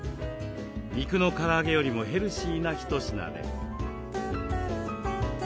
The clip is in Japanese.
肉のから揚げよりもヘルシーな一品です。